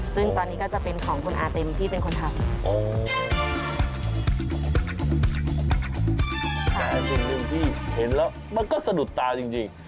แต่สิ่งนึงที่เห็นแล้วมันก็สะดุดตาจริง